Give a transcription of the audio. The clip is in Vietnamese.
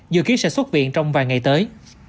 dự kiến sẽ xuất viện trong vài ngày tới